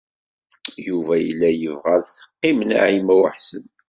Yuba yella yebɣa ad teqqim Naɛima u Ḥsen.